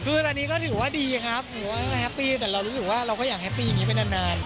คืออันนี้ก็ถือว่าดีครับหรือว่าแฮปปี้แต่เรารู้สึกว่าเราก็อยากแฮปปี้อย่างนี้ไปนาน